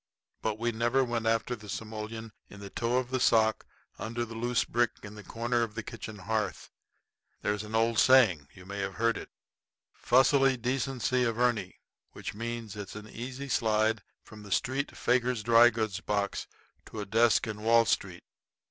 But we never went after the simoleon in the toe of the sock under the loose brick in the corner of the kitchen hearth. There's an old saying you may have heard 'fussily decency averni' which means it's an easy slide from the street faker's dry goods box to a desk in Wall Street.